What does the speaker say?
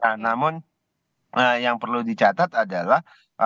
nah namun yang perlu dicatat adalah